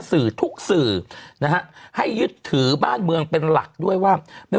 สื่อทุกสื่อนะฮะให้ยึดถือบ้านเมืองเป็นหลักด้วยว่าไม่